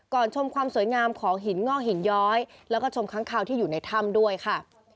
ชมความสวยงามของหินงอกหินย้อยแล้วก็ชมค้างคาวที่อยู่ในถ้ำด้วยค่ะ